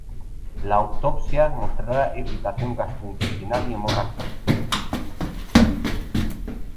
La autopsia mostrará irritación gastrointestinal y hemorragia.